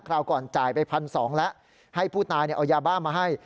ราวก่อนจ่ายไป๑๒๐๐แล้วให้ผู้ตายเอายาบ้ามาให้